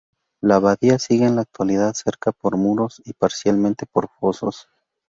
La abadía sigue en la actualidad cercada por muros y parcialmente por fosos.